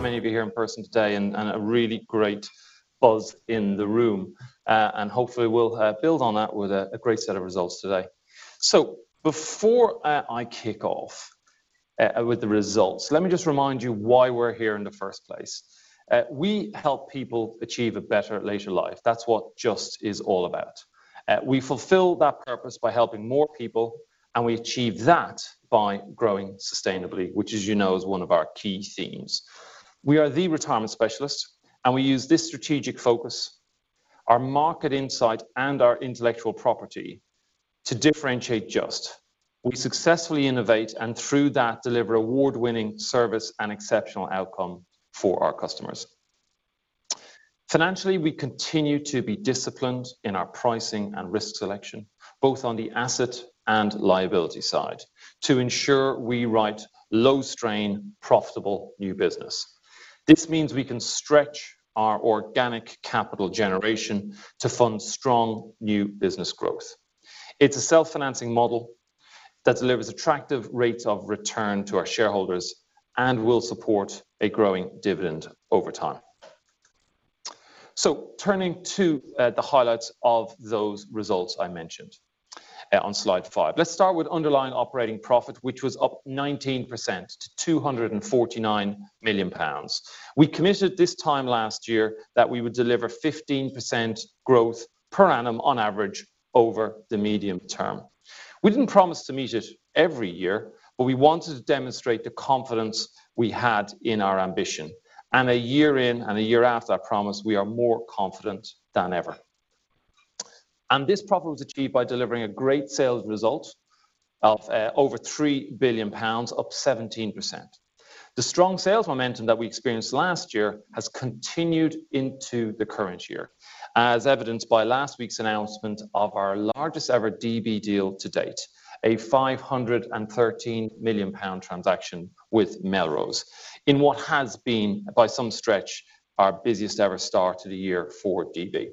Many of you here in person today and a really great buzz in the room. Hopefully we'll build on that with a great set of results today. Before I kick off with the results, let me just remind you why we're here in the first place. We help people achieve a better later life. That's what Just is all about. We fulfill that purpose by helping more people, and we achieve that by growing sustainably, which as you know, is one of our key themes. We are the retirement specialist, and we use this strategic focus, our market insight and our intellectual property to differentiate Just. We successfully innovate and through that deliver award-winning service and exceptional outcome for our customers. Financially, we continue to be disciplined in our pricing and risk selection, both on the asset and liability side to ensure we write low-strain, profitable new business. This means we can stretch our organic capital generation to fund strong new business growth. It's a self-financing model that delivers attractive rates of return to our shareholders and will support a growing dividend over time. Turning to the highlights of those results I mentioned on slide 5. Let's start with underlying operating profit, which was up 19% to 249 million pounds. We committed this time last year that we would deliver 15% growth per annum on average over the medium term. We didn't promise to meet it every year, but we wanted to demonstrate the confidence we had in our ambition. A year in and a year out I promise we are more confident than ever. This profit was achieved by delivering a great sales result of, over 3 billion pounds, up 17%. The strong sales momentum that we experienced last year has continued into the current year, as evidenced by last week's announcement of our largest ever DB deal to date, a 513 million pound transaction with Melrose, in what has been, by some stretch, our busiest ever start to the year for DB.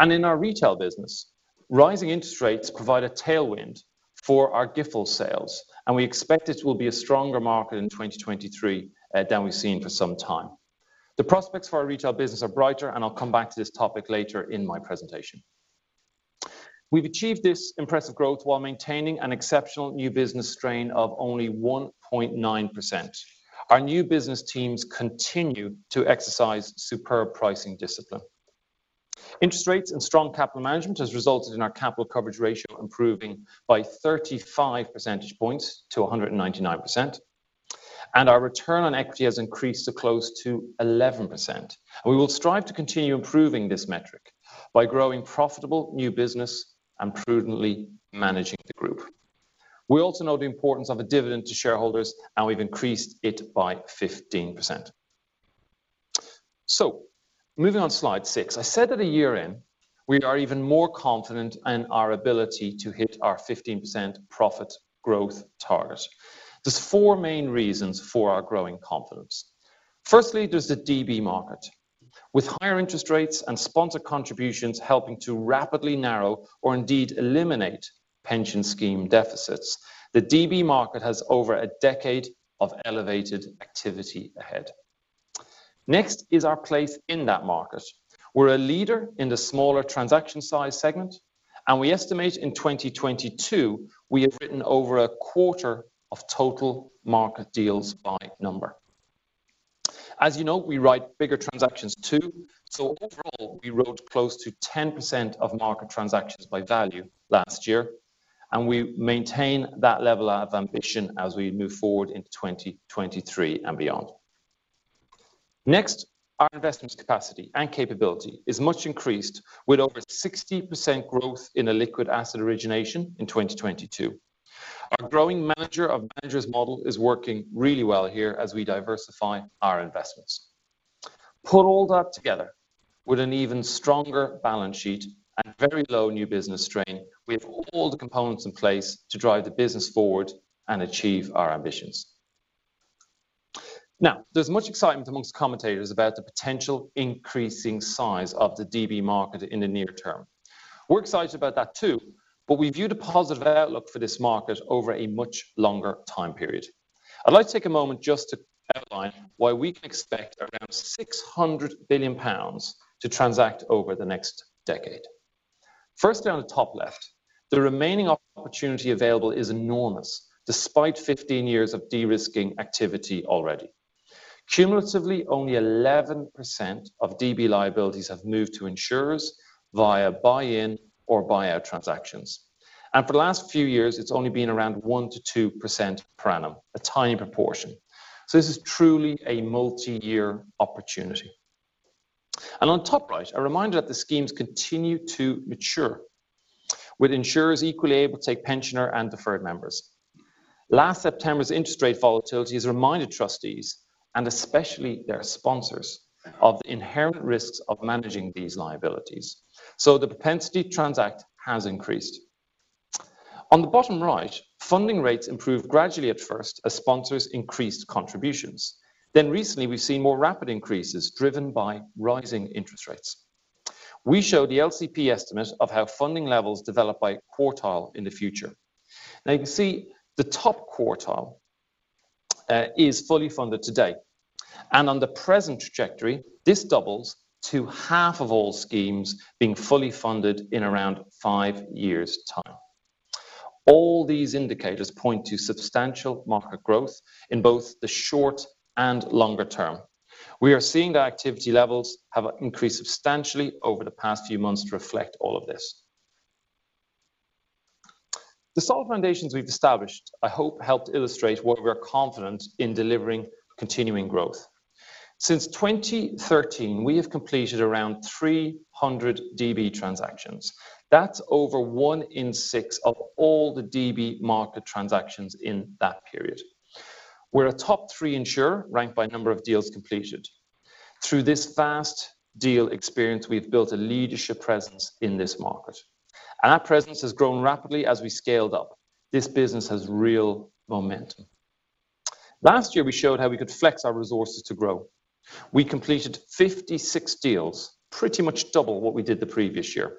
In our retail business, rising interest rates provide a tailwind for our GIfL sales, and we expect it will be a stronger market in 2023 than we've seen for some time. The prospects for our retail business are brighter, and I'll come back to this topic later in my presentation. We've achieved this impressive growth while maintaining an exceptional new business strain of only 1.9%. Our new business teams continue to exercise superb pricing discipline. Interest rates and strong capital management has resulted in our capital coverage ratio improving by 35 percentage points to 199%, and our ROE has increased to close to 11%. We will strive to continue improving this metric by growing profitable new business and prudently managing the group. We also know the importance of a dividend to shareholders, we've increased it by 15%. Moving on slide 6. I said at a year in, we are even more confident in our ability to hit our 15% profit growth target. There's 4 main reasons for our growing confidence. Firstly, there's the DB market. With higher interest rates and sponsor contributions helping to rapidly narrow or indeed eliminate pension scheme deficits, the DB market has over a decade of elevated activity ahead. Next is our place in that market. We're a leader in the smaller transaction size segment, and we estimate in 2022 we have written over 1/4 of total market deals by number. As you know, we write bigger transactions too. Overall, we wrote close to 10% of market transactions by value last year, and we maintain that level of ambition as we move forward into 2023 and beyond. Next, our investments capacity and capability is much increased with over 60% growth in a liquid asset origination in 2022. Our growing manager of managers model is working really well here as we diversify our investments. Put all that together with an even stronger balance sheet and very low new business strain, we have all the components in place to drive the business forward and achieve our ambitions. There's much excitement amongst commentators about the potential increasing size of the DB market in the near term. We're excited about that too, but we view the positive outlook for this market over a much longer time period. I'd like to take a moment just to outline why we can expect around 600 billion pounds to transact over the next decade. First, down the top left, the remaining op-opportunity available is enormous despite 15 years of de-risking activity already. Cumulatively, only 11% of DB liabilities have moved to insurers via buy-in or buy-out transactions. For the last few years, it's only been around 1%-2% per annum, a tiny proportion. This is truly a multi-year opportunity. On top right, a reminder that the schemes continue to mature with insurers equally able to take pensioner and deferred members. Last September's interest rate volatility has reminded trustees, and especially their sponsors, of the inherent risks of managing these liabilities. The propensity to transact has increased. On the bottom right, funding rates improved gradually at first as sponsors increased contributions. Recently, we've seen more rapid increases driven by rising interest rates. We show the LCP estimate of how funding levels develop by quartile in the future. You can see the top quartile is fully funded today. On the present trajectory, this doubles to half of all schemes being fully funded in around five years' time. All these indicators point to substantial market growth in both the short and longer term. We are seeing that activity levels have increased substantially over the past few months to reflect all of this. The solid foundations we've established, I hope helped illustrate what we are confident in delivering continuing growth. Since 2013, we have completed around 300 DB transactions. That's over one in six of all the DB market transactions in that period. We're a top three insurer ranked by number of deals completed. Through this vast deal experience, we've built a leadership presence in this market. Our presence has grown rapidly as we scaled up. This business has real momentum. Last year, we showed how we could flex our resources to grow. We completed 56 deals, pretty much double what we did the previous year.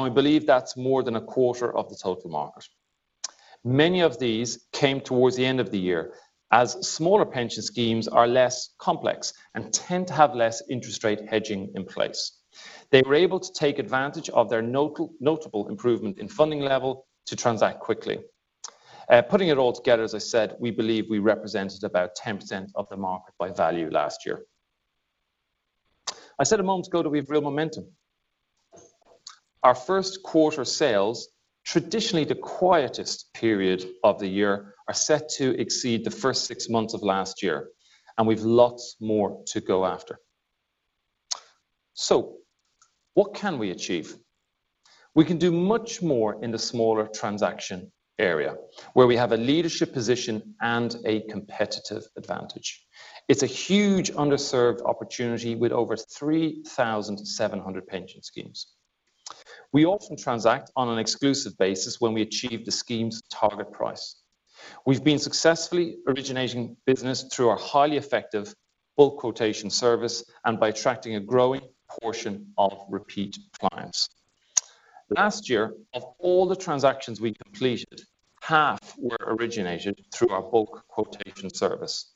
We believe that's more than a quarter of the total market. Many of these came towards the end of the year. Smaller pension schemes are less complex and tend to have less interest rate hedging in place. They were able to take advantage of their notable improvement in funding level to transact quickly. Putting it all together, as I said, we believe we represented about 10% of the market by value last year. I said a moment ago that we have real momentum. Our first quarter sales, traditionally the quietest period of the year, are set to exceed the first 6 months of last year. We've lots more to go after. What can we achieve? We can do much more in the smaller transaction area where we have a leadership position and a competitive advantage. It's a huge underserved opportunity with over 3,700 pension schemes. We often transact on an exclusive basis when we achieve the scheme's target price. We've been successfully originating business through our highly effective bulk quotation service and by attracting a growing portion of repeat clients. Last year, of all the transactions we completed, half were originated through our bulk quotation service.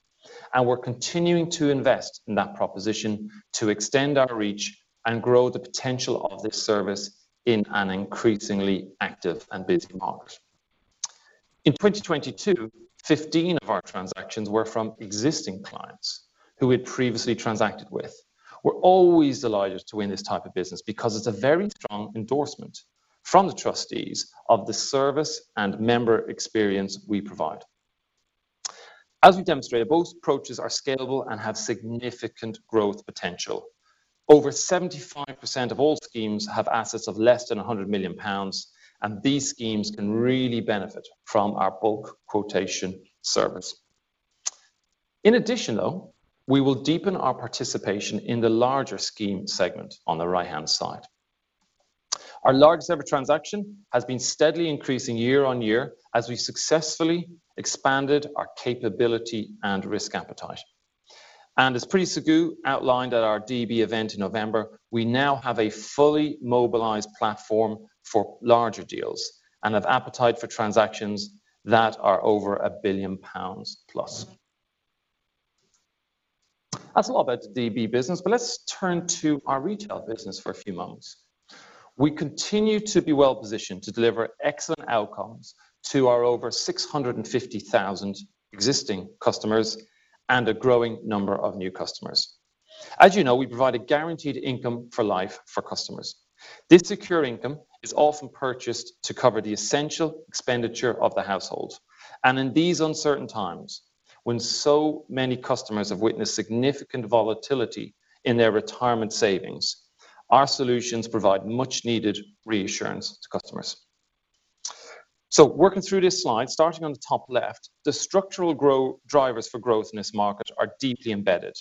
We're continuing to invest in that proposition to extend our reach and grow the potential of this service in an increasingly active and busy market. In 2022, 15 of our transactions were from existing clients who we'd previously transacted with. We're always delighted to win this type of business because it's a very strong endorsement from the trustees of the service and member experience we provide. As we demonstrated, both approaches are scalable and have significant growth potential. Over 75% of all schemes have assets of less than 100 million pounds, These schemes can really benefit from our bulk quotation service. In addition, though, we will deepen our participation in the larger scheme segment on the right-hand side. Our largest-ever transaction has been steadily increasing year-on-year as we successfully expanded our capability and risk appetite. As Preeti Sagoo outlined at our DB event in November, we now have a fully mobilized platform for larger deals and have appetite for transactions that are over 1 billion pounds plus. That's all about the DB business, let's turn to our retail business for a few moments. We continue to be well-positioned to deliver excellent outcomes to our over 650,000 existing customers and a growing number of new customers. As you know, we provide a Guaranteed Income for Life for customers. This secure income is often purchased to cover the essential expenditure of the household. In these uncertain times, when so many customers have witnessed significant volatility in their retirement savings, our solutions provide much-needed reassurance to customers. Working through this slide, starting on the top left, the structural drivers for growth in this market are deeply embedded: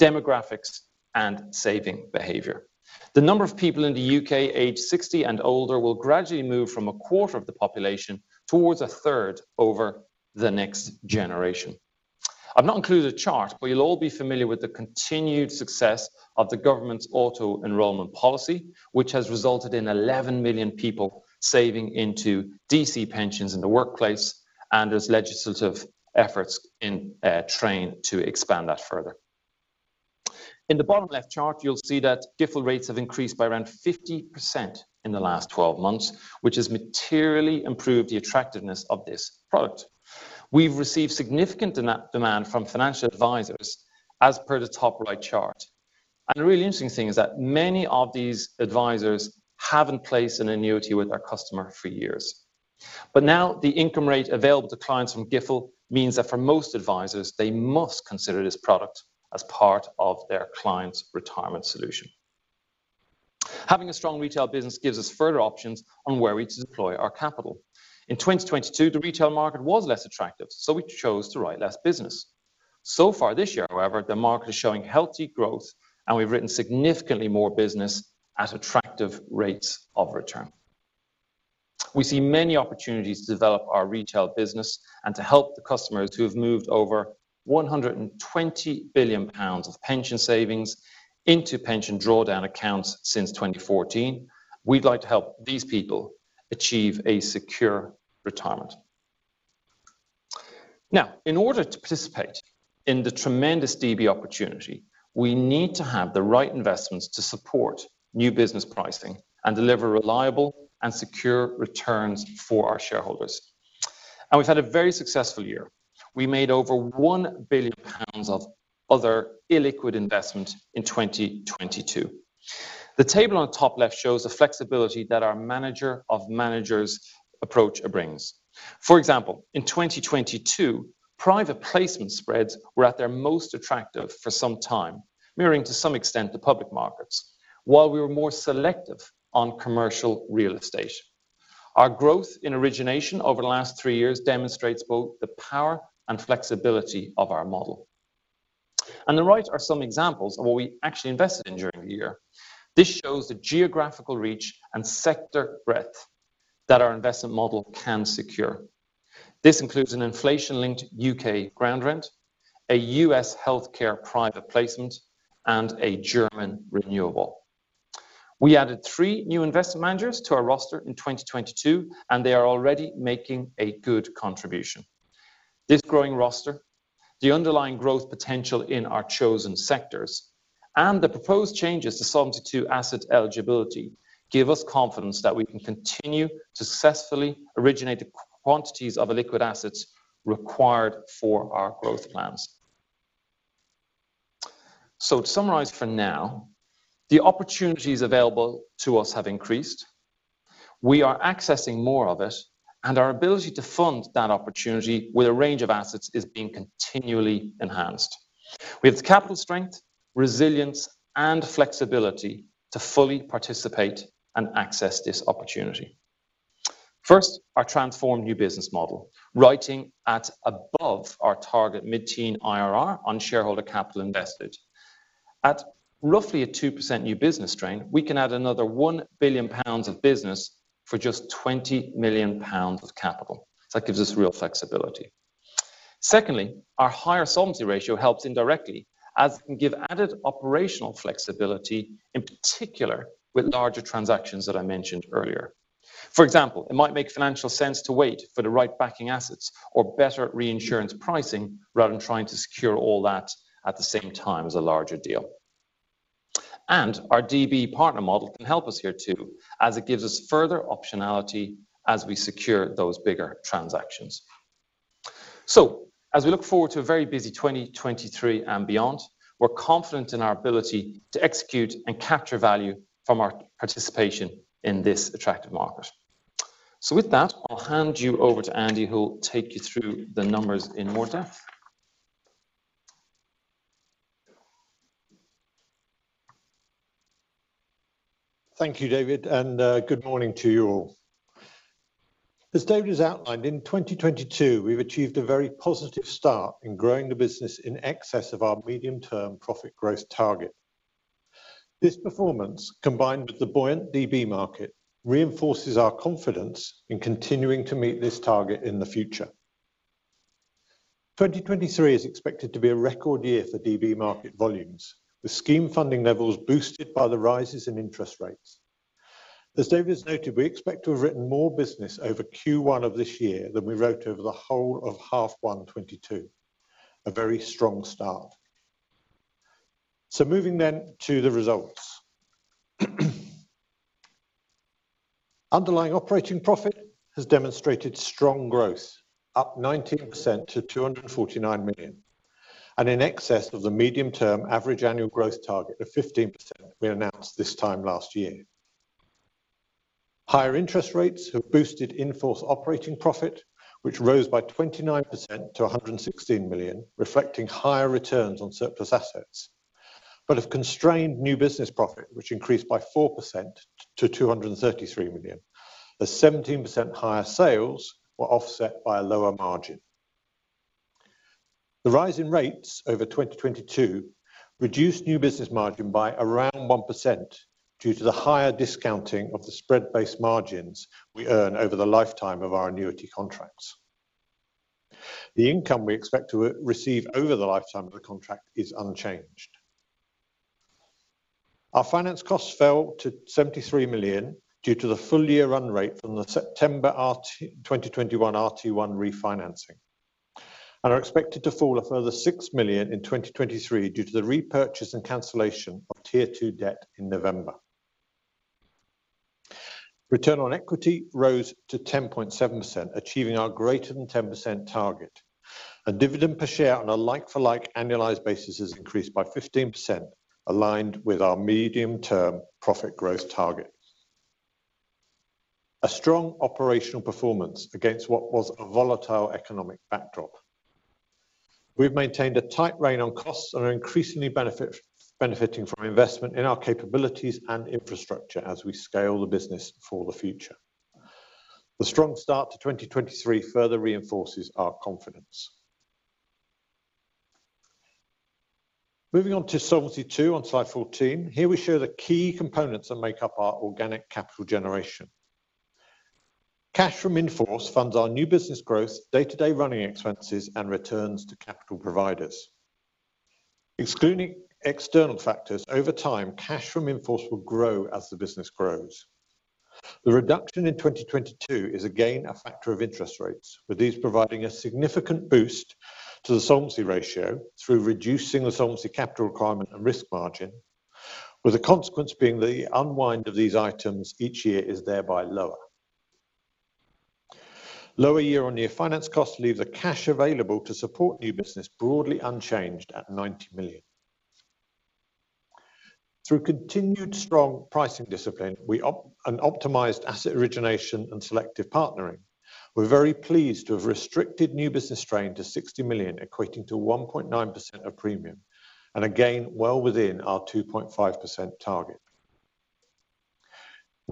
demographics and saving behavior. The number of people in the U.K. aged 60 and older will gradually move from a quarter of the population towards a third over the next generation. I've not included a chart, but you'll all be familiar with the continued success of the government's auto-enrolment policy, which has resulted in 11 million people saving into DC pensions in the workplace and there's legislative efforts in train to expand that further. In the bottom left chart, you'll see that GIfL rates have increased by around 50% in the last 12 months, which has materially improved the attractiveness of this product. We've received significant demand from financial advisors as per the top right chart. The really interesting thing is that many of these advisors have in place an annuity with our customer for years. Now the income rate available to clients from GIfL means that for most advisors, they must consider this product as part of their client's retirement solution. Having a strong retail business gives us further options on where we deploy our capital. In 2022, the retail market was less attractive, so we chose to write less business. Far this year, however, the market is showing healthy growth, and we've written significantly more business at attractive rates of return. We see many opportunities to develop our retail business and to help the customers who have moved over 120 billion pounds of pension savings into pension drawdown accounts since 2014. We'd like to help these people achieve a secure retirement. In order to participate in the tremendous DB opportunity, we need to have the right investments to support new business pricing and deliver reliable and secure returns for our shareholders. We've had a very successful year. We made over 1 billion pounds of other illiquid investment in 2022. The table on the top left shows the flexibility that our manager of managers approach brings. For example, in 2022, private placement spreads were at their most attractive for some time, mirroring to some extent the public markets, while we were more selective on commercial real estate. Our growth in origination over the last 3 years demonstrates both the power and flexibility of our model. On the right are some examples of what we actually invested in during the year. This shows the geographical reach and sector breadth that our investment model can secure. This includes an inflation-linked UK ground rent, a US healthcare private placement, and a German renewable. We added 3 new investment managers to our roster in 2022, and they are already making a good contribution. This growing roster, the underlying growth potential in our chosen sectors, and the proposed changes to Solvency II asset eligibility give us confidence that we can continue to successfully originate the quantities of illiquid assets required for our growth plans. To summarize for now, the opportunities available to us have increased. We are accessing more of it, and our ability to fund that opportunity with a range of assets is being continually enhanced. We have the capital strength, resilience, and flexibility to fully participate and access this opportunity. First, our transformed new business model, writing at above our target mid-teen IRR on shareholder capital invested. At roughly a 2% new business strain, we can add another 1 billion pounds of business for just 20 million pounds of capital. That gives us real flexibility. Secondly, our higher solvency ratio helps indirectly as it can give added operational flexibility, in particular with larger transactions that I mentioned earlier. For example, it might make financial sense to wait for the right backing assets or better reinsurance pricing rather than trying to secure all that at the same time as a larger deal. Our DB partner model can help us here too, as it gives us further optionality as we secure those bigger transactions. As we look forward to a very busy 2023 and beyond, we're confident in our ability to execute and capture value from our participation in this attractive market. With that, I'll hand you over to Andy, who'll take you through the numbers in more depth. Thank you, David. Good morning to you all. As David has outlined, in 2022, we've achieved a very positive start in growing the business in excess of our medium-term profit growth target. This performance, combined with the buoyant DB market, reinforces our confidence in continuing to meet this target in the future. 2023 is expected to be a record year for DB market volumes, with scheme funding levels boosted by the rises in interest rates. As David has noted, we expect to have written more business over Q1 of this year than we wrote over the whole of half one 2022. A very strong start. Moving to the results. Underlying operating profit has demonstrated strong growth, up 19% to 249 million, and in excess of the medium-term average annual growth target of 15% we announced this time last year. Higher interest rates have boosted in-force operating profit, which rose by 29% to 116 million, reflecting higher returns on surplus assets, but have constrained new business profit, which increased by 4% to 233 million, as 17% higher sales were offset by a lower margin. The rise in rates over 2022 reduced new business margin by around 1% due to the higher discounting of the spread-based margins we earn over the lifetime of our annuity contracts. The income we expect to receive over the lifetime of the contract is unchanged. Our finance costs fell to 73 million due to the full-year run rate from the September 2021 R21 refinancing, and are expected to fall a further 6 million in 2023 due to the repurchase and cancellation of Tier 2 debt in November. Return on equity rose to 10.7%, achieving our greater than 10% target. A dividend per share on a like-for-like annualized basis has increased by 15%, aligned with our medium-term profit growth target. A strong operational performance against what was a volatile economic backdrop. We've maintained a tight rein on costs and are increasingly benefiting from investment in our capabilities and infrastructure as we scale the business for the future. The strong start to 2023 further reinforces our confidence. Moving on to Solvency II on slide 14. Here we show the key components that make up our organic capital generation. Cash from in-force funds our new business growth, day-to-day running expenses, and returns to capital providers. Excluding external factors over time, cash from in-force will grow as the business grows. The reduction in 2022 is again a factor of interest rates, with these providing a significant boost to the solvency ratio through reducing the Solvency Capital Requirement and risk margin, with the consequence being the unwind of these items each year is thereby lower. Lower year-on-year finance costs leave the cash available to support new business broadly unchanged at 90 million. Through continued strong pricing discipline, and optimized asset origination and selective partnering, we're very pleased to have restricted new business strain to 60 million, equating to 1.9% of premium, and again well within our 2.5% target.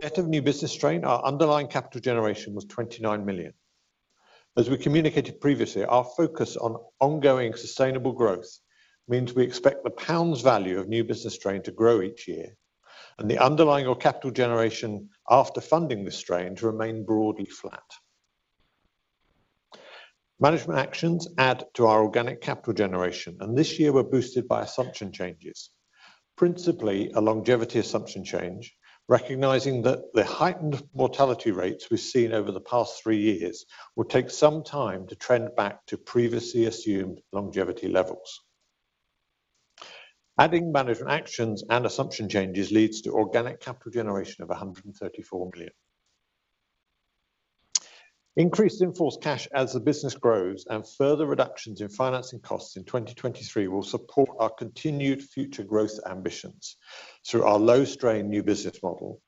Net of new business strain, our underlying capital generation was 29 million. As we communicated previously, our focus on ongoing sustainable growth means we expect the GBP value of new business strain to grow each year and the underlying core capital generation after funding the strain to remain broadly flat. Management actions add to our organic capital generation, and this year we're boosted by assumption changes. Principally, a longevity assumption change, recognizing that the heightened mortality rates we've seen over the past three years will take some time to trend back to previously assumed longevity levels. Adding management actions and assumption changes leads to organic capital generation of 134 million. Increased in-force cash as the business grows and further reductions in financing costs in 2023 will support our continued future growth ambitions through our low strain new business model,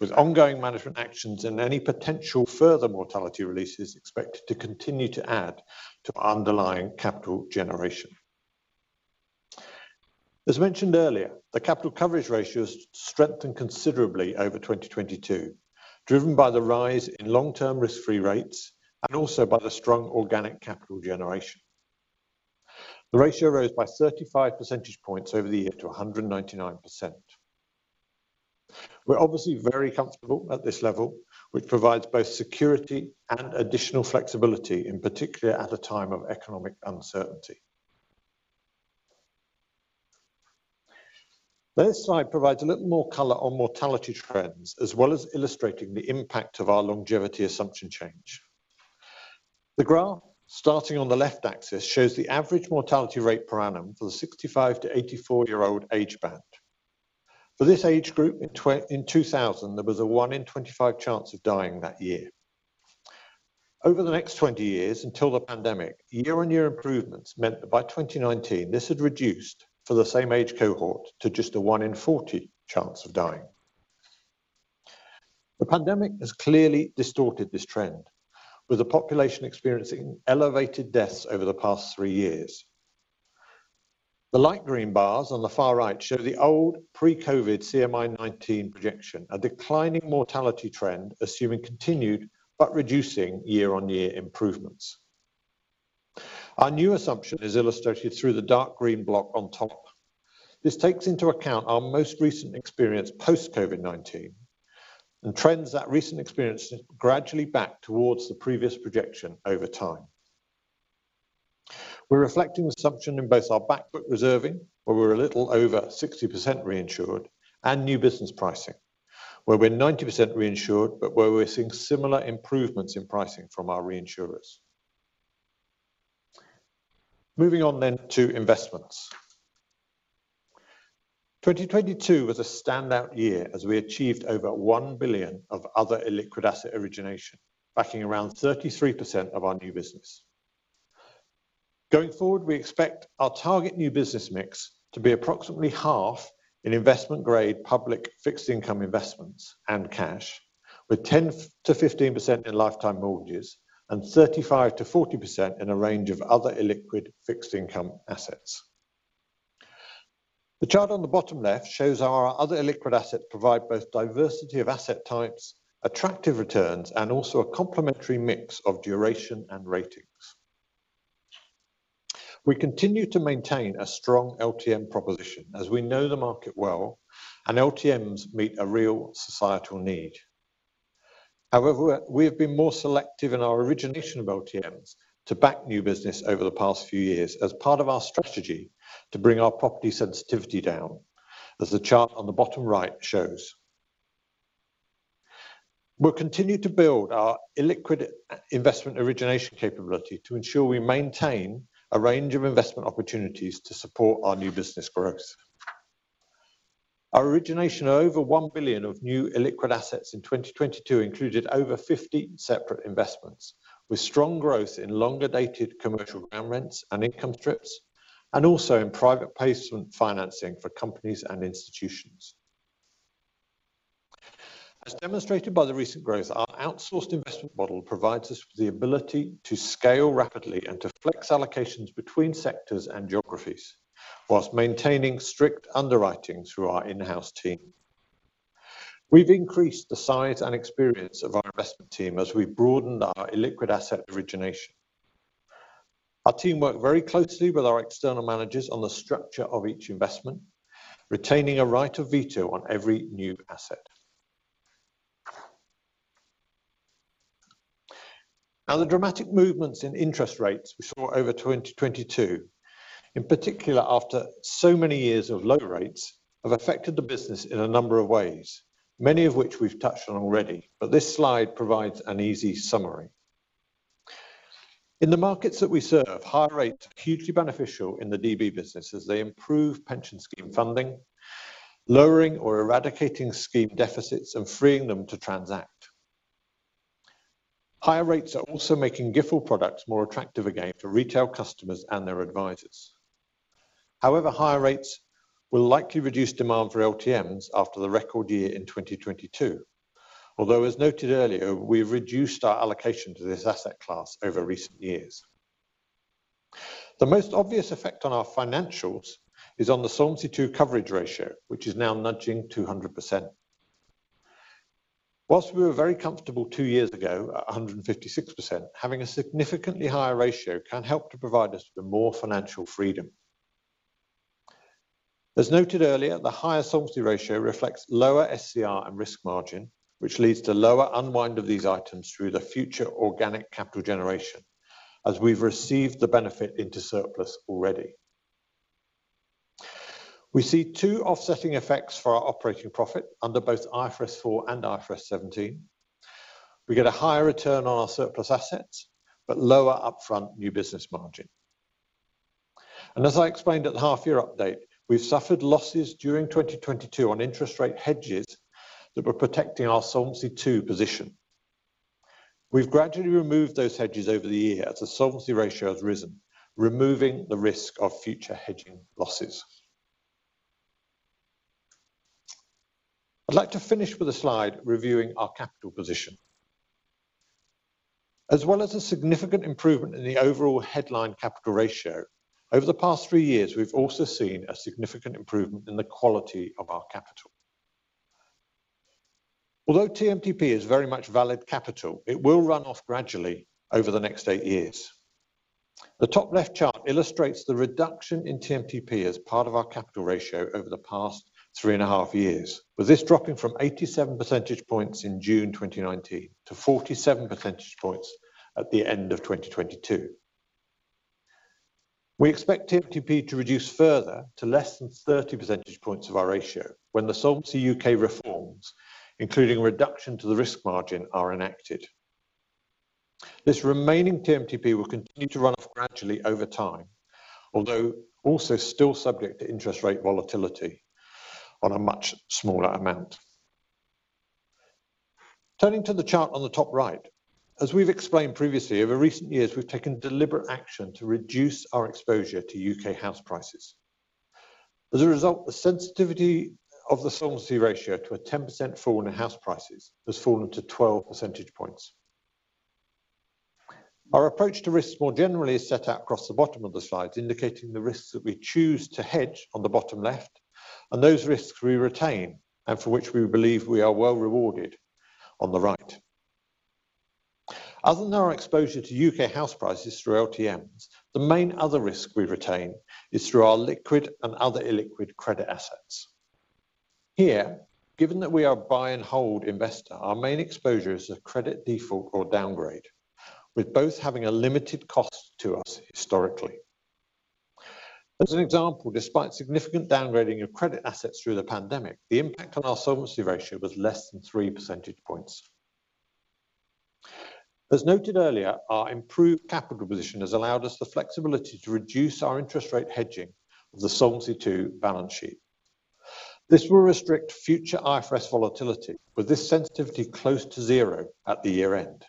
with ongoing management actions and any potential further mortality releases expected to continue to add to our underlying capital generation. Mentioned earlier, the capital coverage ratio has strengthened considerably over 2022, driven by the rise in long-term risk-free rates and also by the strong organic capital generation. The ratio rose by 35 percentage points over the year to 199%. We are obviously very comfortable at this level, which provides both security and additional flexibility, in particular at a time of economic uncertainty. This slide provides a little more color on mortality trends, as well as illustrating the impact of our longevity assumption change. The graph starting on the left axis shows the average mortality rate per annum for the 65- to 84-year-old age band. For this age group in 2000, there was a 1 in 25 chance of dying that year. Over the next 20 years until the pandemic, year-on-year improvements meant that by 2019, this had reduced for the same age cohort to just a 1 in 40 chance of dying. The pandemic has clearly distorted this trend, with the population experiencing elevated deaths over the past 3 years. The light green bars on the far right show the old pre-COVID CMI_2019 projection, a declining mortality trend assuming continued but reducing year-on-year improvements. Our new assumption is illustrated through the dark green block on top. This takes into account our most recent experience post-COVID-19 and trends that recent experience gradually back towards the previous projection over time. We're reflecting the assumption in both our back book reserving, where we're a little over 60% reinsured, and new business pricing, where we're 90% reinsured, where we're seeing similar improvements in pricing from our reinsurers. Moving on to investments. 2022 was a standout year as we achieved over 1 billion of other illiquid asset origination, backing around 33% of our new business. Going forward, we expect our target new business mix to be approximately half in investment grade public fixed income investments and cash, with 10%-15% in lifetime mortgages and 35%-40% in a range of other illiquid fixed income assets. The chart on the bottom left shows our other illiquid assets provide both diversity of asset types, attractive returns, and also a complementary mix of duration and ratings. We continue to maintain a strong LTM proposition as we know the market well and LTMs meet a real societal need. However, we have been more selective in our origination of LTMs to back new business over the past few years as part of our strategy to bring our property sensitivity down, as the chart on the bottom right shows. We'll continue to build our illiquid investment origination capability to ensure we maintain a range of investment opportunities to support our new business growth. Our origination of over 1 billion of new illiquid assets in 2022 included over 50 separate investments with strong growth in longer-dated commercial ground rents and income strips, and also in private placement financing for companies and institutions. As demonstrated by the recent growth, our outsourced investment model provides us with the ability to scale rapidly and to flex allocations between sectors and geographies while maintaining strict underwriting through our in-house team. We've increased the size and experience of our investment team as we broadened our illiquid asset origination. Our team worked very closely with our external managers on the structure of each investment, retaining a right of veto on every new asset. The dramatic movements in interest rates we saw over 2022, in particular after so many years of low rates, have affected the business in a number of ways, many of which we've touched on already, but this slide provides an easy summary. In the markets that we serve, higher rates are hugely beneficial in the DB business as they improve pension scheme funding, lowering or eradicating scheme deficits and freeing them to transact. Higher rates are also making GIfL products more attractive again for retail customers and their advisors. Higher rates will likely reduce demand for LTMs after the record year in 2022. As noted earlier, we've reduced our allocation to this asset class over recent years. The most obvious effect on our financials is on the Solvency II coverage ratio, which is now nudging 200%. Whilst we were very comfortable two years ago at 156%, having a significantly higher ratio can help to provide us with more financial freedom. As noted earlier, the higher solvency ratio reflects lower SCR and risk margin, which leads to lower unwind of these items through the future organic capital generation, as we've received the benefit into surplus already. We see two offsetting effects for our operating profit under both IFRS 4 and IFRS 17. We get a higher return on our surplus assets, but lower upfront new business margin. As I explained at the half year update, we've suffered losses during 2022 on interest rate hedges that were protecting our Solvency II position. We've gradually removed those hedges over the year as the solvency ratio has risen, removing the risk of future hedging losses. I'd like to finish with a slide reviewing our capital position. As well as a significant improvement in the overall headline capital ratio, over the past 3 years, we've also seen a significant improvement in the quality of our capital. Although TMTP is very much valid capital, it will run off gradually over the next 8 years. The top left chart illustrates the reduction in TMTP as part of our capital ratio over the past three and a half years, with this dropping from 87 percentage points in June 2019 to 47 percentage points at the end of 2022. We expect TMTP to reduce further to less than 30 percentage points of our ratio when the Solvency UK reforms, including a reduction to the risk margin, are enacted. This remaining TMTP will continue to run off gradually over time, although also still subject to interest rate volatility on a much smaller amount. Turning to the chart on the top right, as we've explained previously, over recent years we've taken deliberate action to reduce our exposure to UK house prices. As a result, the sensitivity of the solvency ratio to a 10% fall in house prices has fallen to 12 percentage points. Our approach to risks more generally is set out across the bottom of the slide, indicating the risks that we choose to hedge on the bottom left, and those risks we retain and for which we believe we are well rewarded on the right. Other than our exposure to UK house prices through LTMs, the main other risk we retain is through our liquid and other illiquid credit assets. Here, given that we are a buy-and-hold investor, our main exposure is a credit default or downgrade, with both having a limited cost to us historically. As an example, despite significant downgrading of credit assets through the pandemic, the impact on our solvency ratio was less than three percentage points. As noted earlier, our improved capital position has allowed us the flexibility to reduce our interest rate hedging of the Solvency II balance sheet. This will restrict future IFRS volatility, with this sensitivity close to zero at the year-end.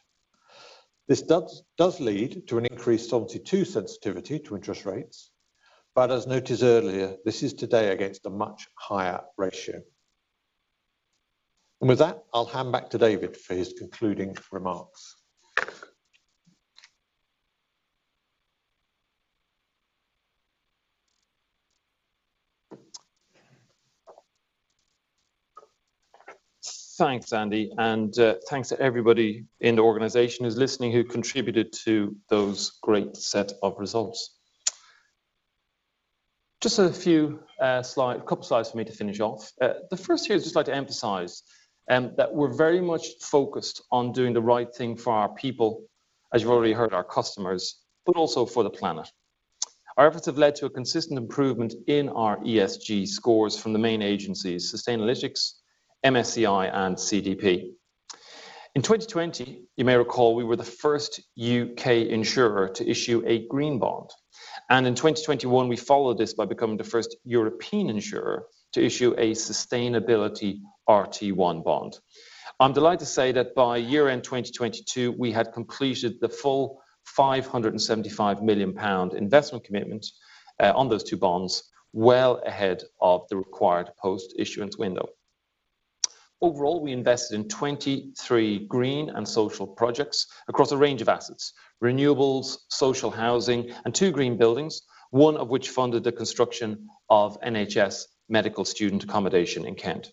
This does lead to an increased Solvency II sensitivity to interest rates, but as noted earlier, this is today against a much higher ratio. With that, I'll hand back to David for his concluding remarks. Thanks, Andy, and thanks to everybody in the organization who's listening who contributed to those great set of results. Just a couple slides for me to finish off. The first here is just like to emphasize that we're very much focused on doing the right thing for our people, as you've already heard our customers, but also for the planet. Our efforts have led to a consistent improvement in our ESG scores from the main agencies, Sustainalytics, MSCI, and CDP. In 2020, you may recall we were the first UK insurer to issue a green bond. In 2021, we followed this by becoming the first European insurer to issue a sustainability RT1 bond. I'm delighted to say that by year-end 2022, we had completed the full 575 million pound investment commitment on those two bonds well ahead of the required post-issuance window. Overall, we invested in 23 green and social projects across a range of assets: renewables, social housing, and two green buildings, one of which funded the construction of NHS medical student accommodation in Kent.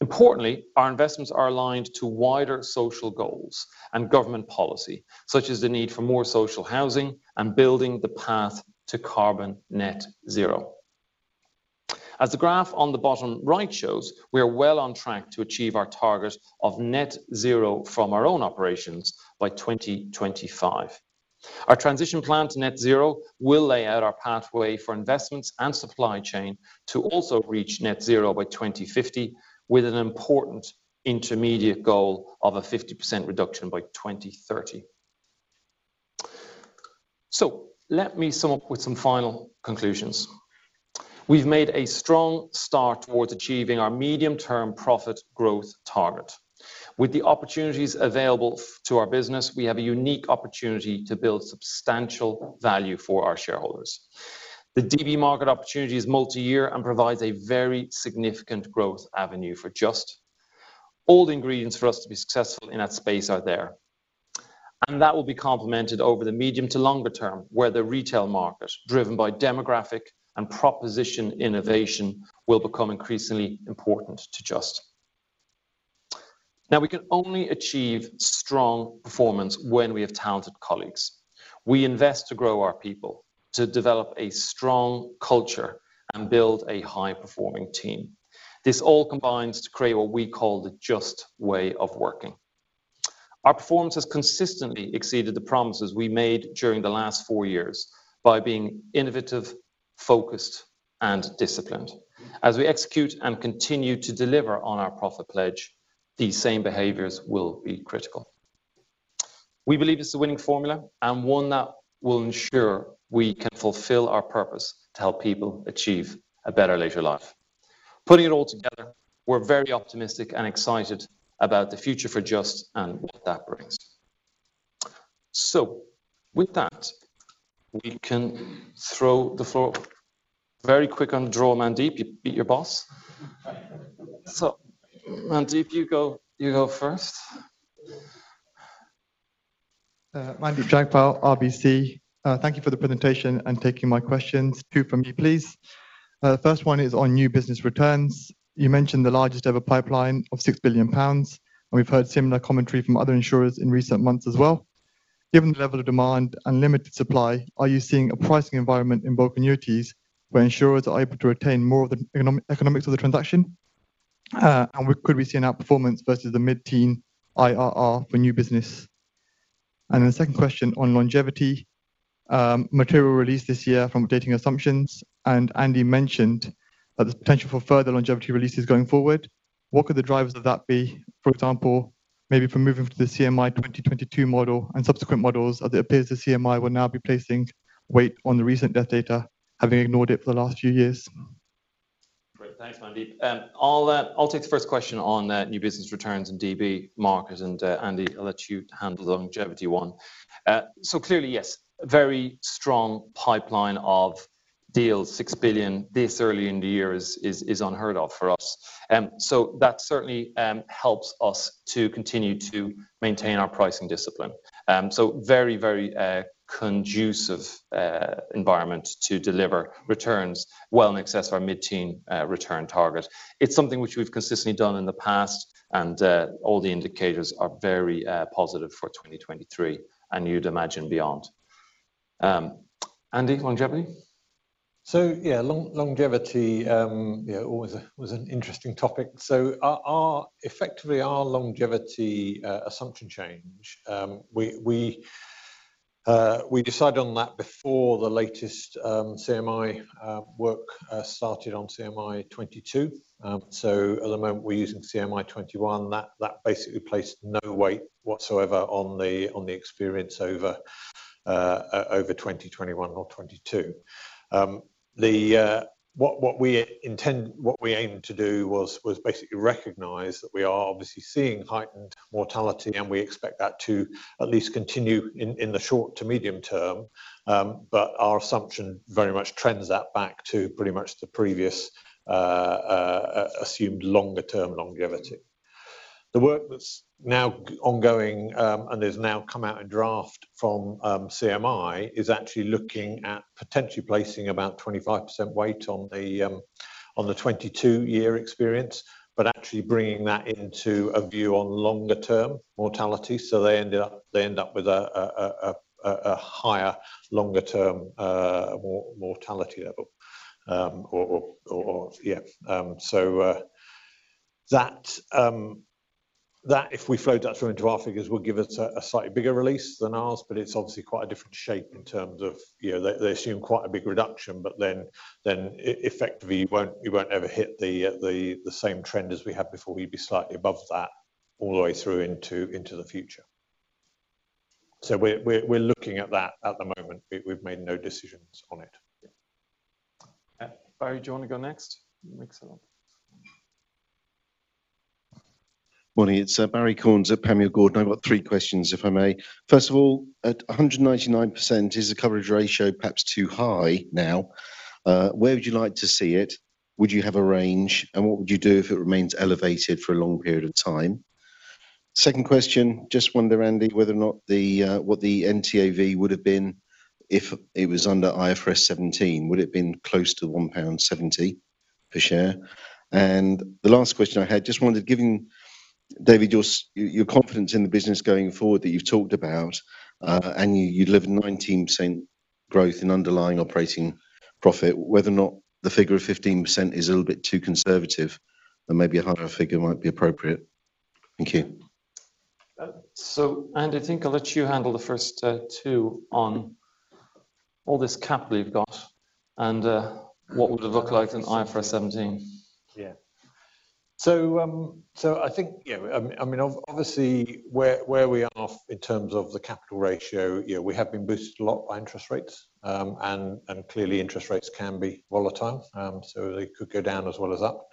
Importantly, our investments are aligned to wider social goals and government policy, such as the need for more social housing and building the path to carbon net zero. As the graph on the bottom right shows, we are well on track to achieve our target of net zero from our own operations by 2025. Our transition plan to net zero will lay out our pathway for investments and supply chain to also reach net zero by 2050, with an important intermediate goal of a 50% reduction by 2030. Let me sum up with some final conclusions. We've made a strong start towards achieving our medium-term profit growth target. With the opportunities available to our business, we have a unique opportunity to build substantial value for our shareholders. The DB market opportunity is multi-year and provides a very significant growth avenue for Just. All the ingredients for us to be successful in that space are there. That will be complemented over the medium to longer term, where the retail market, driven by demographic and proposition innovation, will become increasingly important to Just. We can only achieve strong performance when we have talented colleagues. We invest to grow our people, to develop a strong culture and build a high-performing team. This all combines to create what we call the Just way of working. Our performance has consistently exceeded the promises we made during the last 4 years by being innovative, focused, and disciplined. We execute and continue to deliver on our profit pledge, these same behaviors will be critical. We believe it's a winning formula and one that will ensure we can fulfill our purpose to help people achieve a better later life. Putting it all together, we're very optimistic and excited about the future for Just and what that brings. With that, we can throw the floor. Very quick on draw, Mandeep. You beat your boss. Mandeep, you go first. Mandeep Jagpal, RBC. Thank you for the presentation and taking my questions. Two from me, please. The first one is on new business returns. You mentioned the largest ever pipeline of 6 billion pounds, and we've heard similar commentary from other insurers in recent months as well. Given the level of demand and limited supply, are you seeing a pricing environment in bulk annuities where insurers are able to retain more of the economics of the transaction? Could we see in our performance versus the mid-teen IRR for new business? The second question on longevity, material release this year from updating assumptions, and Andy mentioned that the potential for further longevity releases going forward, what could the drivers of that be? For example, maybe from moving from the CMI 2022 model and subsequent models, as it appears the CMI will now be placing weight on the recent death data, having ignored it for the last few years. Great. Thanks, Mandeep. I'll take the first question on new business returns in DB market and Andy, I'll let you handle the longevity one. Clearly, yes, a very strong pipeline of deals, 6 billion this early in the year is unheard of for us. That certainly helps us to continue to maintain our pricing discipline. Very, very conducive environment to deliver returns well in excess of our mid-teen return target. It's something which we've consistently done in the past, and all the indicators are very positive for 2023 and you'd imagine beyond. Andy, longevity? Yeah, long-longevity, yeah, always was an interesting topic. Our effectively our longevity assumption change, we decided on that before the latest CMI work started on CMI 2022. At the moment, we're using CMI 2021. That basically placed no weight whatsoever on the experience over 2021 or 2022. What we intend, what we aim to do was basically recognize that we are obviously seeing heightened mortality, and we expect that to at least continue in the short to medium term. Our assumption very much trends that back to pretty much the previous assumed longer term longevity. The work that's now ongoing has now come out in draft from CMI is actually looking at potentially placing about 25% weight on the 22-year experience, but actually bringing that into a view on longer term mortality. They end up with a higher longer term mortality level. or yeah. That if we flowed that through into our figures would give us a slightly bigger release than ours, but it's obviously quite a different shape in terms of, they assume quite a big reduction, but then effectively you won't ever hit the same trend as we had before. We'd be slightly above that all the way through into the future. We're looking at that at the moment. We've made no decisions on it. Yeah. Barry, do you wanna go next? Mix it up. Morning, it's Barrie Cornes at Panmure Gordon. I've got 3 questions, if I may. First of all, at 199%, is the coverage ratio perhaps too high now? Where would you like to see it? Would you have a range? What would you do if it remains elevated for a long period of time? Second question, just wonder, Andy, whether or not what the NTAV would have been if it was under IFRS 17. Would it been close to 1.70 pound per share? The last question I had, just wanted giving David your confidence in the business going forward that you've talked about, and you live 19% growth in underlying operating profit, whether or not the figure of 15% is a little bit too conservative and maybe a harder figure might be appropriate. Thank you. Andy, I think I'll let you handle the first two on all this capital you've got and what would it look like in IFRS 17? Yeah. I think, I mean, obviously, where we are in terms of the capital ratio, we have been boosted a lot by interest rates. And clearly interest rates can be volatile. They could go down as well as up.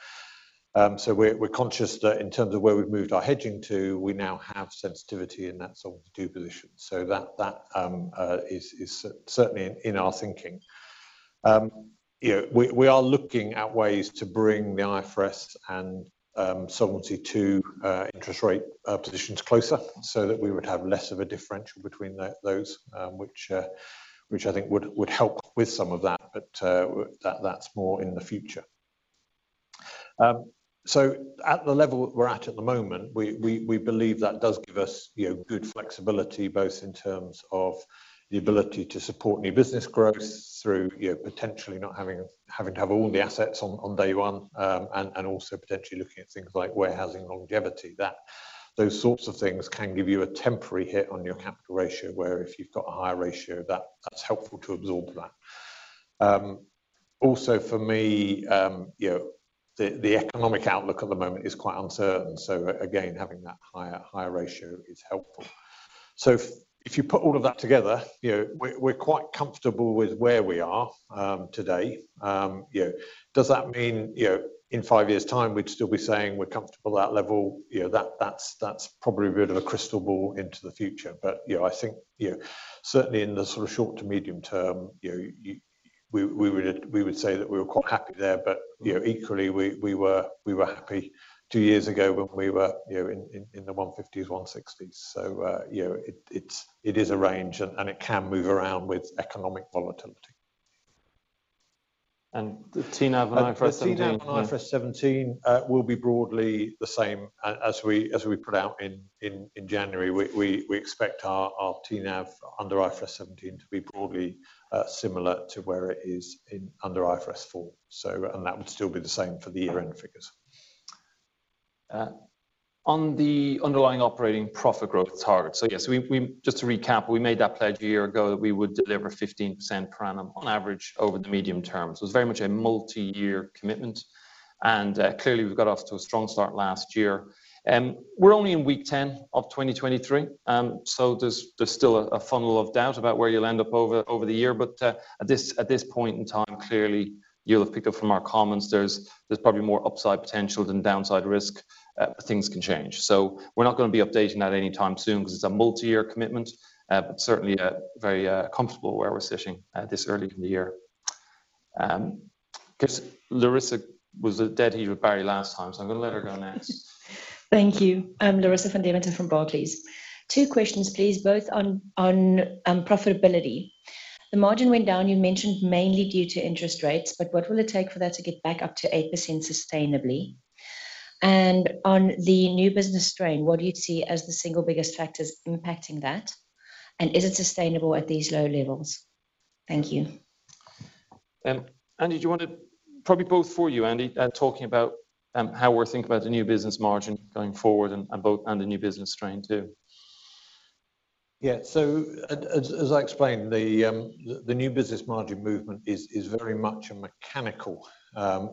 We're conscious that in terms of where we've moved our hedging to, we now have sensitivity in that Solvency II position. That is certainly in our thinking. You know, we are looking at ways to bring the IFRS and Solvency II interest rate positions closer that we would have less of a differential between those, which I think would help with some of that. That's more in the future. At the level we're at at the moment, we believe that does give us, good flexibility, both in terms of the ability to support new business growth through, potentially not having to have all the assets on day one. And also potentially looking at things like warehousing longevity, that those sorts of things can give you a temporary hit on your capital ratio, where if you've got a higher ratio that's helpful to absorb that. Also for me, the economic outlook at the moment is quite uncertain. Again, having that higher ratio is helpful. If you put all of that together, we're quite comfortable with where we are today. Does that mean, in 5 years time, we'd still be saying we're comfortable at that level? You know, that's probably a bit of a crystal ball into the future. You know, I think, you know, certainly in the sort of short to medium term, we would, we would say that we were quite happy there. You know, equally, we were, we were happy 2 years ago when we were, in the 150s, 160s. You know, it's, it is a range and it can move around with economic volatility. The TNAV and IFRS 17. The TNAV and IFRS 17 will be broadly the same as we put out in January. We expect our TNAV under IFRS 17 to be broadly similar to where it is in under IFRS 4. That would still be the same for the year-end figures. On the underlying operating profit growth target. Yes, we just to recap, we made that pledge a year ago that we would deliver 15% per annum on average over the medium term. Clearly we've got off to a strong start last year. We're only in week 10 of 2023. There's still a funnel of doubt about where you'll end up over the year. At this point in time, clearly you'll have picked up from our comments. There's probably more upside potential than downside risk. Things can change. We're not gonna be updating that anytime soon 'cause it's a multi-year commitment. Certainly, very comfortable where we're sitting at this early in the year. 'Cause Larissa was a dead heat with Barry last time, so I'm gonna let her go next. Thank you. I'm Larissa van Deventer from Barclays. Two questions, please, both on profitability. The margin went down, you mentioned mainly due to interest rates. What will it take for that to get back up to 8% sustainably? On the new business strain, what do you see as the single biggest factors impacting that? Is it sustainable at these low levels? Thank you. Andy, do you want to... Probably both for you, Andy, talking about how we're thinking about the new business margin going forward and both and the new business strain too. Yeah. As, as I explained, the new business margin movement is very much a mechanical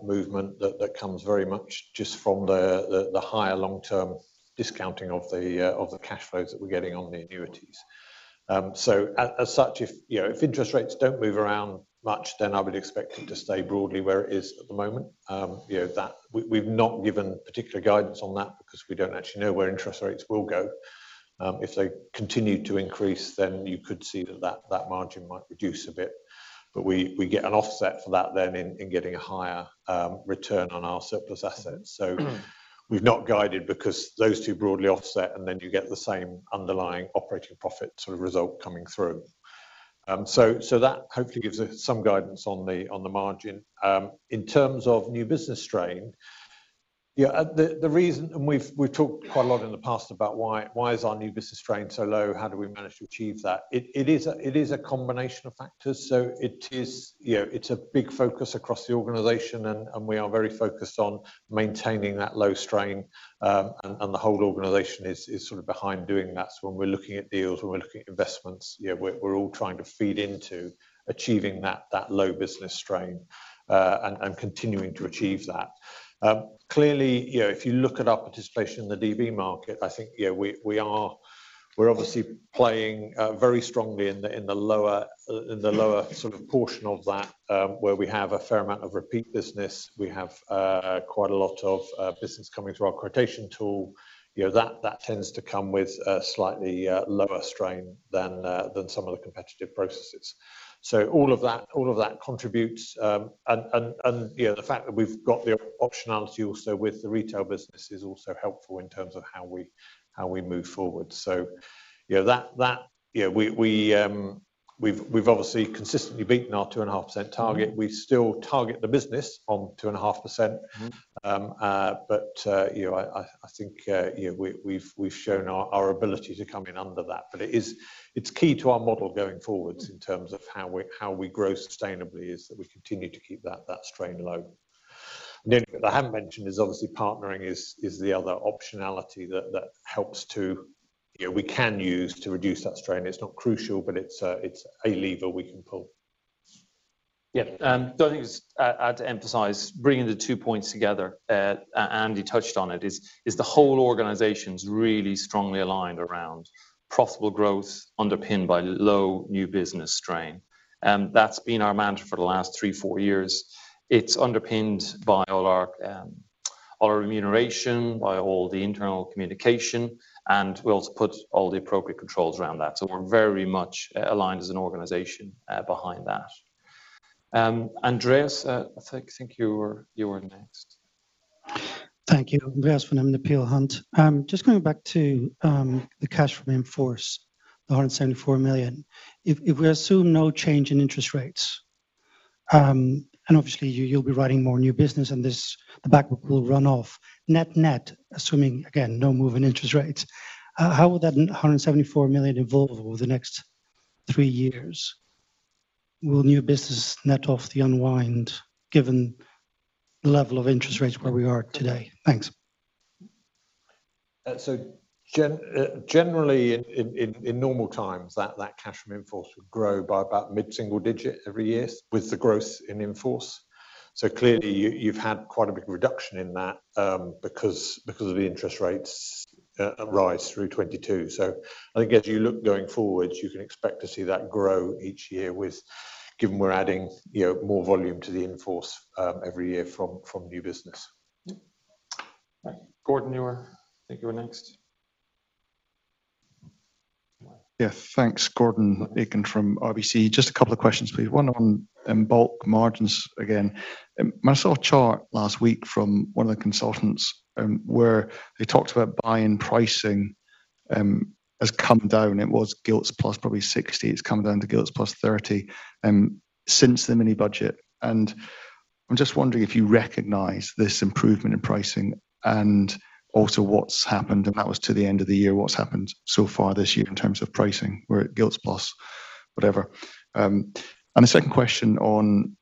movement that comes very much just from the higher long-term discounting of the cash flows that we're getting on the annuities. As such, if, interest rates don't move around much, then I would expect it to stay broadly where it is at the moment. You know, that we've not given particular guidance on that because we don't actually know where interest rates will go. If they continue to increase, then you could see that margin might reduce a bit. We get an offset for that then in getting a higher return on our surplus assets. We've not guided because those two broadly offset, and then you get the same underlying operating profit sort of result coming through. That hopefully gives us some guidance on the margin. In terms of new business strain, yeah, the reason and we've talked quite a lot in the past about why is our new business strain so low? How do we manage to achieve that? It is a combination of factors. It's a big focus across the organization and we are very focused on maintaining that low strain. And the whole organization is sort of behind doing that. When we're looking at deals, when we're looking at investments, we're all trying to feed into achieving that low business strain, and continuing to achieve that. Clearly, if you look at our participation in the DB market, I think, we are, we're obviously playing very strongly in the lower, in the lower sort of portion of that, where we have a fair amount of repeat business. We have quite a lot of business coming through our quotation tool. You know, that tends to come with a slightly lower strain than some of the competitive processes. All of that contributes. You know, the fact that we've got the optionality also with the retail business is also helpful in terms of how we, how we move forward. You know, that, we've obviously consistently beaten our 2.5% target. We still target the business on 2.5%. Mm-hmm. I think, you know, we've shown our ability to come in under that. It's key to our model going forwards in terms of how we grow sustainably, is that we continue to keep that strain low. The only thing I haven't mentioned is obviously partnering is the other optionality that helps to, we can use to reduce that strain. It's not crucial, but it's a lever we can pull. The other thing is to emphasize, bringing the two points together, and you touched on it, is the whole organization's really strongly aligned around profitable growth underpinned by low new business strain. That's been our mantra for the last three, four years. It's underpinned by all our remuneration, by all the internal communication, and we also put all the appropriate controls around that. We're very much aligned as an organization behind that. Andreas, I think you were next. Thank you. Andreas from Peel Hunt. Just going back to the cash from in-force, the 174 million. If we assume no change in interest rates, and obviously you'll be writing more new business and the back book will run off. Net-net, assuming, again, no move in interest rates, how will that 174 million evolve over the next three years? Will new business net off the unwind given the level of interest rates where we are today? Thanks. generally in normal times, that cash from in-force would grow by about mid-single digit every year with the growth in in-force. Clearly you've had quite a big reduction in that because of the interest rates rise through 2022. I think as you look going forward, you can expect to see that grow each year with... Given we're adding, more volume to the in-force every year from new business. Yep. Gordon, you were, I think you were next. Thanks. Gordon Aitken from RBC. Just a couple of questions, please. One on bulk margins again. I saw a chart last week from one of the consultants, where they talked about buy-in pricing has come down. It was gilts plus probably 60. It's come down to gilts plus 30 since the mini budget. I'm just wondering if you recognize this improvement in pricing and also what's happened, and that was to the end of the year, what's happened so far this year in terms of pricing. We're at gilts plus whatever. The second question on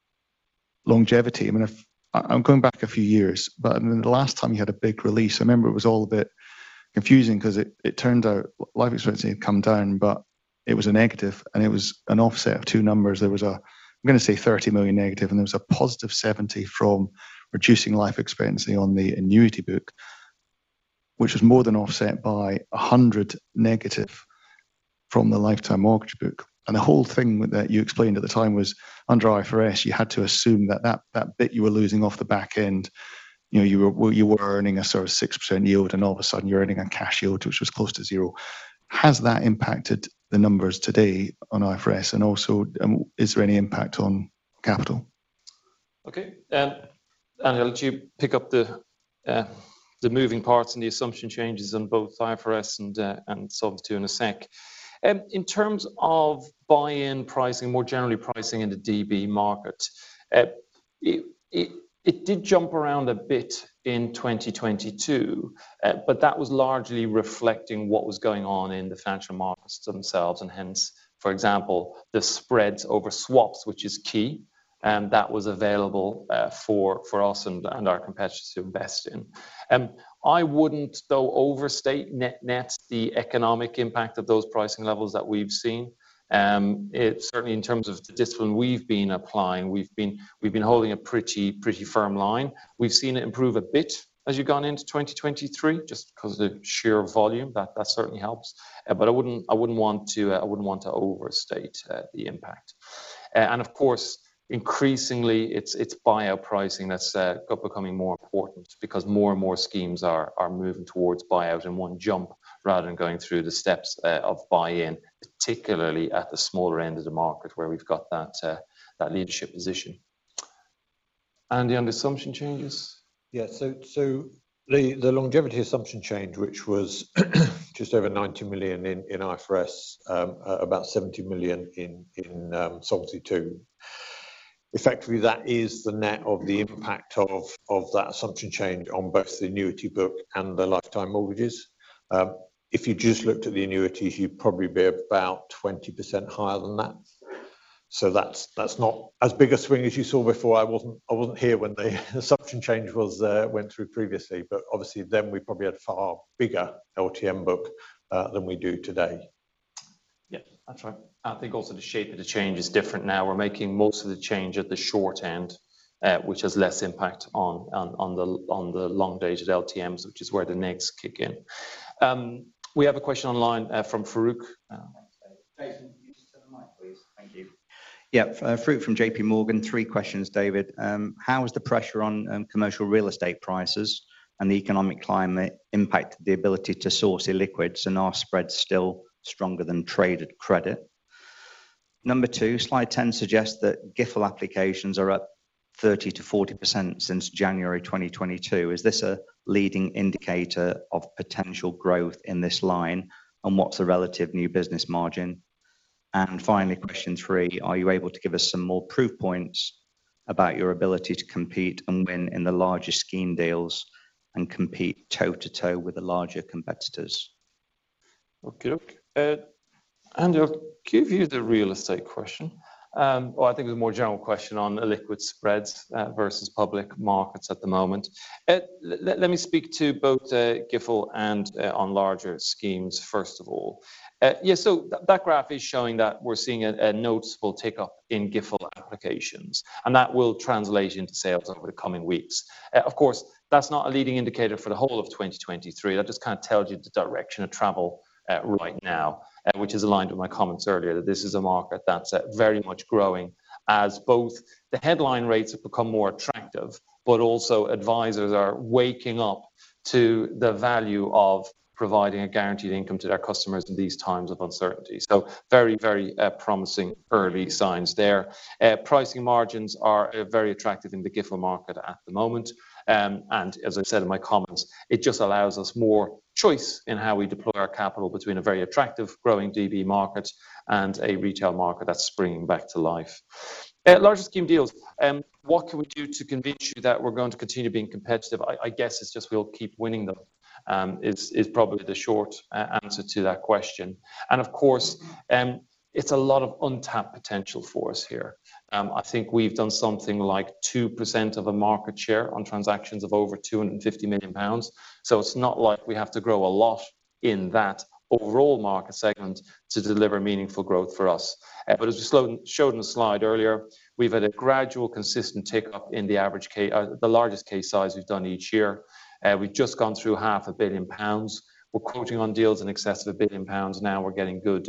longevity. I mean, I'm going back a few years, but, I mean, the last time you had a big release, I remember it was all a bit confusing 'cause it turned out life expectancy had come down, but it was a negative, and it was an offset of two numbers. There was a, I'm gonna say 30 million negative, and there was a positive 70 million from reducing life expectancy on the annuity book, which was more than offset by a 100 million negative from the lifetime mortgage book. The whole thing with that, you explained at the time, was under IFRS, you had to assume that that bit you were losing off the back end, you were, well, you were earning a sort of 6% yield, and all of a sudden you're earning a cash yield which was close to zero. Has that impacted the numbers today on IFRS? Also, is there any impact on capital? Okay. I'll let you pick up the moving parts and the assumption changes on both IFRS and Solvency II in a sec. In terms of buy-in pricing, more generally pricing in the DB market, it did jump around a bit in 2022. That was largely reflecting what was going on in the financial markets themselves and hence, for example, the spreads over swaps, which is key. That was available for us and our competitors to invest in. I wouldn't though overstate net-net the economic impact of those pricing levels that we've seen. It certainly in terms of the discipline we've been applying, we've been holding a pretty firm line. We've seen it improve a bit as you've gone into 2023 just 'cause of the sheer volume. That certainly helps. I wouldn't want to overstate the impact. Of course, increasingly it's buyout pricing that's becoming more important because more and more schemes are moving towards buyout in one jump rather than going through the steps of buy-in, particularly at the smaller end of the market where we've got that leadership position. Andy, on the assumption changes? The longevity assumption change, which was just over 90 million in IFRS, about 70 million in Solvency II. Effectively, that is the net of the impact of that assumption change on both the annuity book and the lifetime mortgages. If you just looked at the annuities, you'd probably be about 20% higher than that. That's not as big a swing as you saw before. I wasn't here when the assumption change went through previously, obviously then we probably had far bigger LTM book than we do today. Yeah. That's right. I think also the shape of the change is different now. We're making most of the change at the short end, which has less impact on the long-dated LTMs, which is where the negs kick in. We have a question online from Farooq. Jason, can you just have the mic, please? Thank you. Yeah. Farooq from JP Morgan. Three questions, David. How has the pressure on commercial real estate prices and the economic climate impacted the ability to source illiquids? And are spreads still stronger than traded credit? Number two, slide 10 suggests that GIfL applications are up. 30%-40% since January 2022. Is this a leading indicator of potential growth in this line, and what's the relative new business margin? Finally, question 3, are you able to give us some more proof points about your ability to compete and win in the larger scheme deals and compete toe-to-toe with the larger competitors? Okay. Andrew, I'll give you the real estate question. Or I think it's a more general question on illiquid spreads versus public markets at the moment. Let me speak to both GIfL and on larger schemes first of all. Yeah, so that graph is showing that we're seeing a noticeable tick-up in GIfL applications, and that will translate into sales over the coming weeks. Of course, that's not a leading indicator for the whole of 2023. That just kind of tells you the direction of travel right now, which is aligned with my comments earlier, that this is a market that's very much growing as both the headline rates have become more attractive. Also advisors are waking up to the value of providing a guaranteed income to their customers in these times of uncertainty. Very, very promising early signs there. Pricing margins are very attractive in the GIfL market at the moment. As I said in my comments, it just allows us more choice in how we deploy our capital between a very attractive growing DB market and a retail market that's springing back to life. Larger scheme deals, what can we do to convince you that we're going to continue being competitive? I guess it's just we'll keep winning them, is probably the short answer to that question. Of course, it's a lot of untapped potential for us here. I think we've done something like 2% of a market share on transactions of over 250 million pounds. It's not like we have to grow a lot in that overall market segment to deliver meaningful growth for us. As we showed in the slide earlier, we've had a gradual consistent tick-up in the average the largest case size we've done each year. We've just gone through half a billion GBP. We're quoting on deals in excess of 1 billion pounds now. We're getting good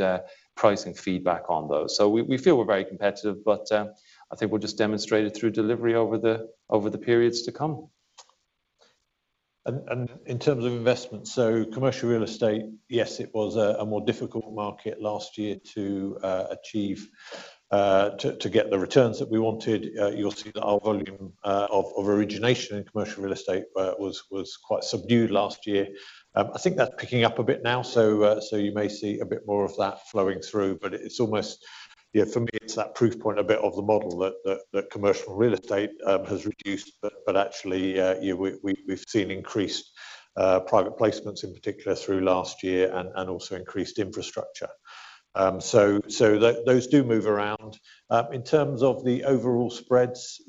pricing feedback on those. We, we feel we're very competitive, but I think we'll just demonstrate it through delivery over the, over the periods to come. In terms of investment, so commercial real estate, yes, it was a more difficult market last year to achieve to get the returns that we wanted. You'll see that our volume of origination in commercial real estate was quite subdued last year. I think that's picking up a bit now, so you may see a bit more of that flowing through. It's almost, for me, it's that proof point a bit of the model that commercial real estate has reduced. Actually, we've seen increased private placements in particular through last year and also increased infrastructure. Those do move around. In terms of the overall spreads,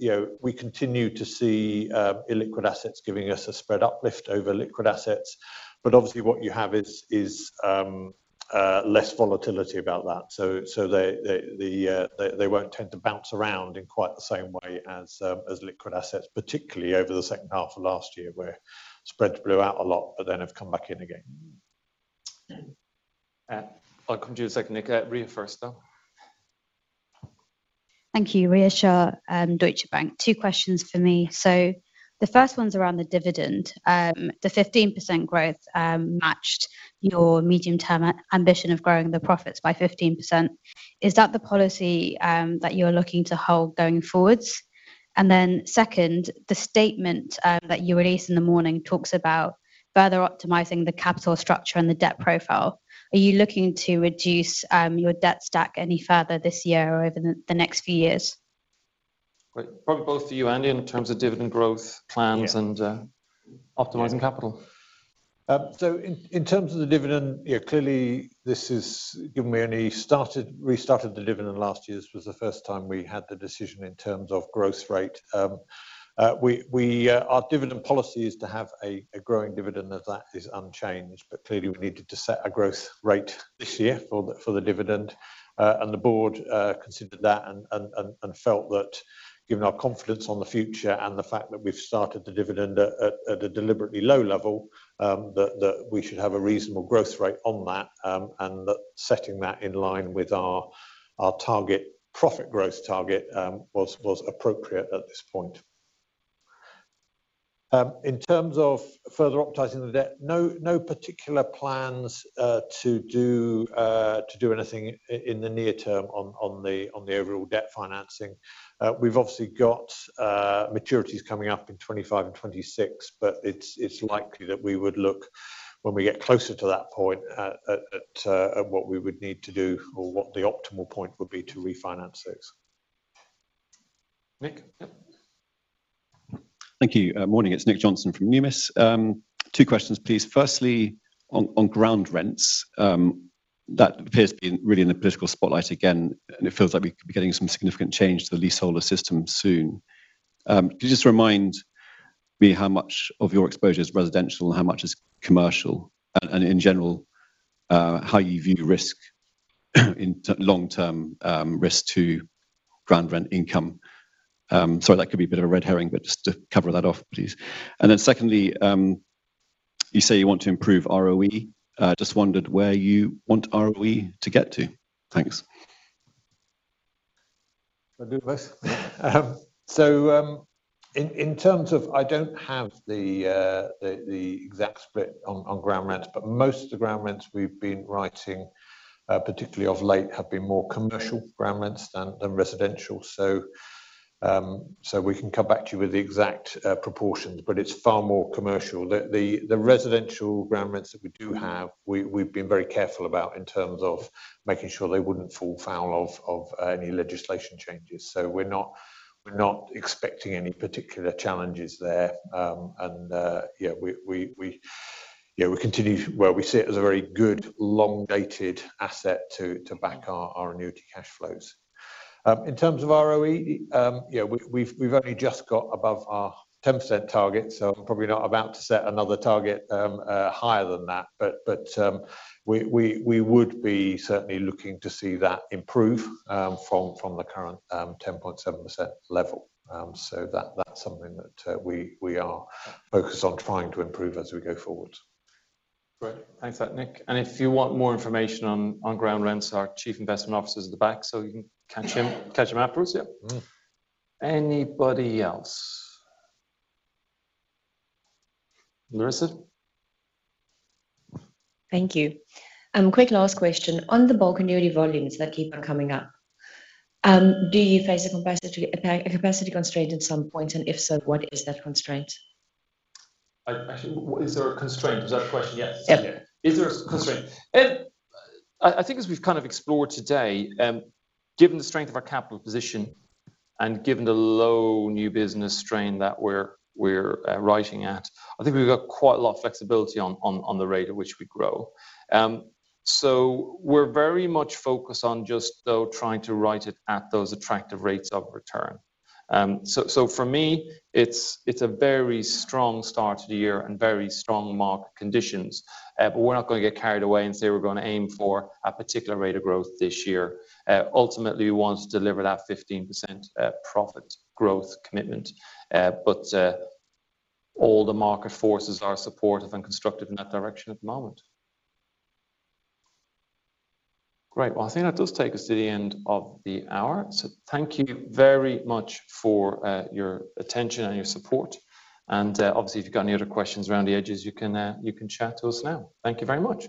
we continue to see illiquid assets giving us a spread uplift over liquid assets. Obviously, what you have is less volatility about that. They won't tend to bounce around in quite the same way as liquid assets, particularly over the second half of last year, where spreads blew out a lot have come back in again. I'll come to you in a sec, Nick. Ria first, though. Thank you. Ria Shah, Deutsche Bank. Two questions for me. The first one's around the dividend. The 15% growth matched your medium-term ambition of growing the profits by 15%. Is that the policy that you're looking to hold going forwards? Second, the statement that you released in the morning talks about further optimizing the capital structure and the debt profile. Are you looking to reduce your debt stack any further this year or over the next few years? Great. Probably both for you, Andy, in terms of dividend growth plans. Yeah. Optimizing capital. In terms of the dividend, you know, clearly this is, given we only restarted the dividend last year, this was the first time we had the decision in terms of growth rate. We, our dividend policy is to have a growing dividend, and that is unchanged. Clearly, we needed to set a growth rate this year for the dividend. The board considered that and felt that given our confidence on the future and the fact that we've started the dividend at a deliberately low level, that we should have a reasonable growth rate on that. That setting that in line with our target, profit growth target, was appropriate at this point. In terms of further optimizing the debt, no particular plans to do anything in the near term on the overall debt financing. We've obviously got maturities coming up in 2025 and 2026, but it's likely that we would look when we get closer to that point at what we would need to do or what the optimal point would be to refinance those. Nick? Yep. Thank you. Morning. It's Nick Johnson from Numis. Two questions, please. Firstly, on ground rents, that appears to be really in the political spotlight again, and it feels like we could be getting some significant change to the leaseholder system soon. Could you just remind me how much of your exposure is residential and how much is commercial? In general, how you view risk, long-term risk to ground rent income? Sorry, that could be a bit of a red herring, just to cover that off, please. Secondly, you say you want to improve ROE. Just wondered where you want ROE to get to. Thanks. I'll do it both. In terms of I don't have the exact split on ground rents, but most of the ground rents we've been writing, particularly of late, have been more commercial ground rents than residential. We can come back to you with the exact proportions, but it's far more commercial. The residential ground rents that we do have, we've been very careful about in terms of making sure they wouldn't fall foul of any legislation changes. We're not expecting any particular challenges there. We continue... Well, we see it as a very good long-dated asset to back our annuity cash flows. In terms of ROE, yeah, we've only just got above our 10% target, probably not about to set another target, higher than that. We would be certainly looking to see that improve from the current 10.7% level. That's something that we are focused on trying to improve as we go forward. Great. Thanks for that, Nick. If you want more information on ground rents, our chief investment officer's at the back, so you can catch him afterwards, yeah. Anybody else? Marissa? Thank you. Quick last question. On the bulk annuity volumes that keep on coming up, do you face a capacity constraint at some point? If so, what is that constraint? actually, is there a constraint? Is that the question? Yes. Yeah. Is there a constraint? I think as we've kind of explored today, given the strength of our capital position and given the low new business strain that we're writing at, I think we've got quite a lot of flexibility on the rate at which we grow. We're very much focused on just though trying to write it at those attractive rates of return. For me, it's a very strong start to the year and very strong market conditions. We're not gonna get carried away and say we're gonna aim for a particular rate of growth this year. Ultimately, we want to deliver that 15% profit growth commitment. All the market forces are supportive and constructive in that direction at the moment. Great. I think that does take us to the end of the hour. Thank you very much for your attention and your support. Obviously, if you've got any other questions around the edges, you can chat to us now. Thank you very much.